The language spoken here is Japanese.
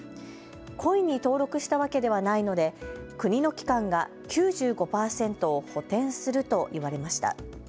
故意に登録したわけではないので国の機関が９５％を補填すると言われました。